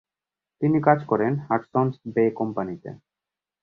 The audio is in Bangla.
তিনি কাজ করেন হাডসন’স বে কোম্পানিতে।